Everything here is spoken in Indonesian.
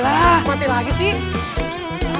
nyalah mati lagi sih